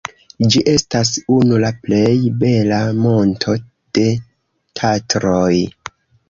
Ĝi estas unu la plej bela monto de Tatroj.